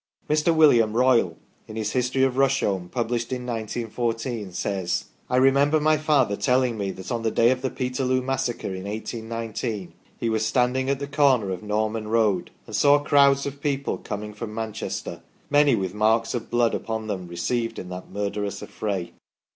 Mr. William Royle, in his " History of Rusholme," published in 1914, says :" I remember my father telling me that on the day of the Peterloo massacre in 1819 he was standing at the corner of Norman Road, and saw crowds of people coming from Manchester, many with marks of blood upon them received in that murderous affray